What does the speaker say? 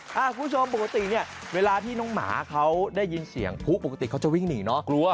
คุณผู้ชมปกติเนี่ยเวลาที่น้องหมาเขาได้ยินเสียงผู้ปกติเขาจะวิ่งหนีเนาะ